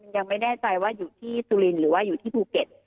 ยังไม่แน่ใจว่าอยู่ที่สุรินทร์หรือว่าอยู่ที่ภูเก็ต